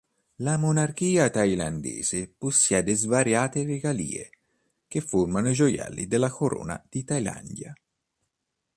La monarchia thailandese possiede svariate regalie, che formano i Gioielli della Corona di Thailandia.